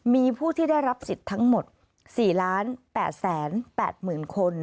มีผู้ที่ได้รับสิทธิ์ทั้งหมด๔๘๘๐๐๐คน